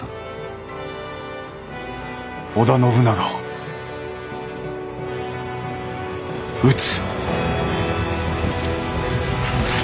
織田信長を討つ。